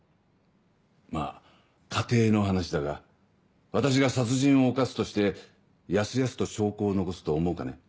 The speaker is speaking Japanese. まぁ仮定の話だが私が殺人を犯すとしてやすやすと証拠を残すと思うかね？